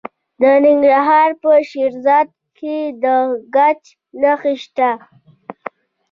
د ننګرهار په شیرزاد کې د ګچ نښې شته.